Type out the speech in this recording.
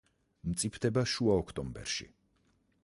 მწიფდება შუა ოქტომბერში.